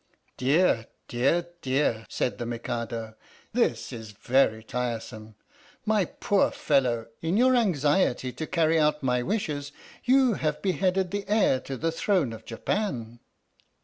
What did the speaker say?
"Dear, dear, dear!" said the Mikado, "this is very tiresome. My poor fellow, in your anxiety to carry out my wishes you have beheaded the heir to the throne of Japan